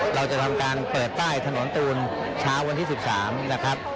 เราจะทำการเปิดใต้ถนนตูนเช้าวันที่๑๓นะครับ